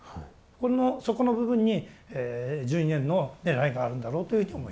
このそこの部分に１２年のねらいがあるんだろうというふうに思います。